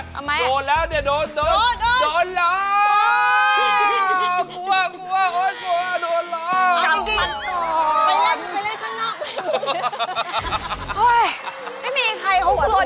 ทำไมอ่ะกันไหมโดนแล้วโดน